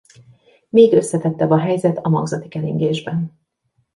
Még összetettebb a helyzet a magzati keringésben.